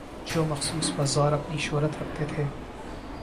جو مخصوص بازار اپنی شہرت رکھتے تھے۔